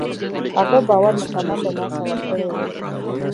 هغه باور مکمل له لاسه ورکړی و.